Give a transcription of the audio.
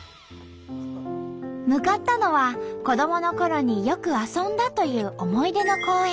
向かったのは子どものころによく遊んだという思い出の公園。